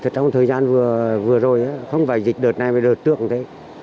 trong thời gian vừa rồi không phải dịch đợt này mà đợt trước cũng thế